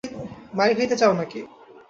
মাইর খাইতে চাও নাকি?